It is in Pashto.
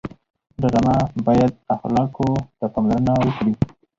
ډرامه باید اخلاقو ته پاملرنه وکړي